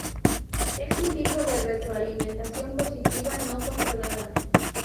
Es un tipo de retroalimentación positiva no controlada.